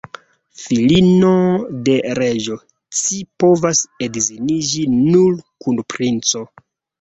Filino de reĝo, ci povas edziniĝi nur kun princo.